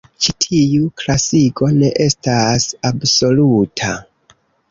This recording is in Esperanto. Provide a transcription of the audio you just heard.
Ĉi tiu klasigo ne estas absoluta.